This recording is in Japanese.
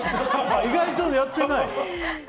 意外とやってない？